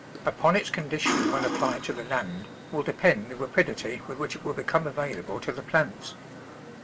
Ui^on its con dition when applied to the land will depend the rapidity with which it will become available to the plants.